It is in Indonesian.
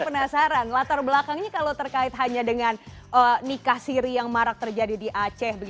penasaran latar belakangnya kalau terkait hanya dengan nikah siri yang marak terjadi di aceh